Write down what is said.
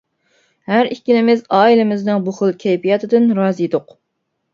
ھەر ئىككىمىز ئائىلىمىزنىڭ بۇ خىل كەيپىياتىدىن رازى ئىدۇق.